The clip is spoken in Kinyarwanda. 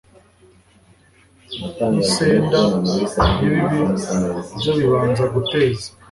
nkisenda nibindi byo bibanza guteza